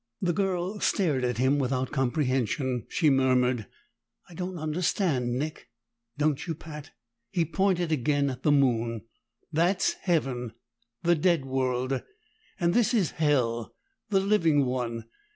The girl stared at him without comprehension. She murmured, "I don't understand, Nick." "Don't you, Pat?" He pointed again at the moon. "That's Heaven, the dead world, and this is Hell, the living one.